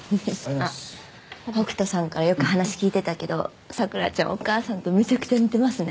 あっ北斗さんからよく話聞いてたけど桜ちゃんお母さんとめちゃくちゃ似てますね。